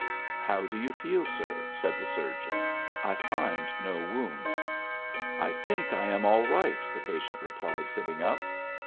"How do you feel, sir?" said the surgeon. "I find no wound." "I think I am all right," the patient replied, sitting up.